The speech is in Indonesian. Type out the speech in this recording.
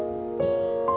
aku akan menjaga dia